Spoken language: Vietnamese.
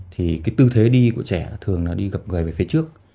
thì cái tư thế đi của trẻ thường là đi gặp người về phía trước